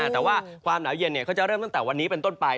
แต่ว่าความหนาวเย็นเขาจะเริ่มตั้งแต่วันนี้เป็นต้นไป